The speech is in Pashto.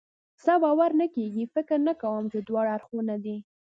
ستا باور نه کېږي؟ فکر نه کوم چې دواړه اړخونه دې.